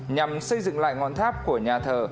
nhằm xây dựng lại ngọn tháp của nhà thờ